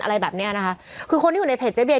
อะไรแบบเนี้ยนะคะคือคนที่อยู่ในเพจเจ๊เบีย